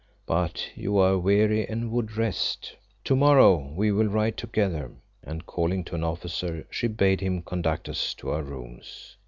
But you are weary and would rest. To morrow we will ride together," and calling to an officer, she bade him conduct us to our rooms.